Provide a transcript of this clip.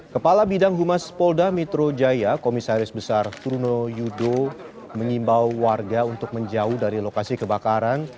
kepala bidang humas polda metro jaya komisaris besar truno yudo mengimbau warga untuk menjauh dari lokasi kebakaran